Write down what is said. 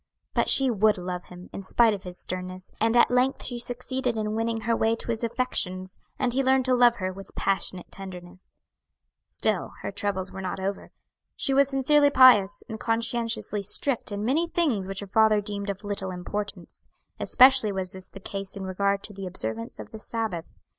But she would love him, in spite of his sternness, and at length she succeeded in winning her way to his affections, and he learned to love her with passionate tenderness. "Still her troubles were not over. She was sincerely pious, and conscientiously strict in many things which her father deemed of little importance; especially was this the case in regard to the observance of the Sabbath.